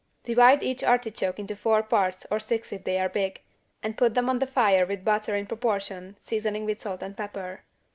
Divide each artichoke into four parts or six if they are big, and put them on the fire with butter in proportion, seasoning with salt and pepper.